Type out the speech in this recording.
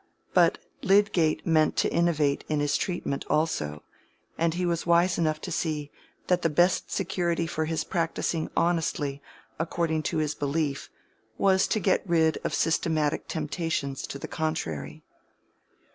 But Lydgate meant to innovate in his treatment also, and he was wise enough to see that the best security for his practising honestly according to his belief was to get rid of systematic temptations to the contrary.